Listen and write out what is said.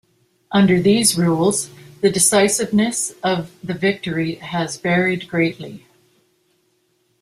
Under these rules, the decisiveness of the victory has varied greatly.